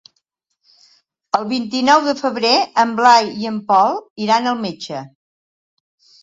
El vint-i-nou de febrer en Blai i en Pol iran al metge.